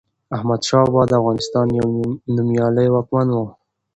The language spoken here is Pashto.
احمد شاه بابا دافغانستان يو نوميالي واکمن وه